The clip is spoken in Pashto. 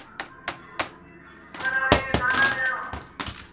o چي مېلمه ئې سوړ سک خوري، کوربه بې څه خوري!